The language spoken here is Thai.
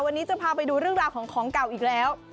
วันนี้จะพาไปดูเรื่องราวของของเก่าอีกแล้ว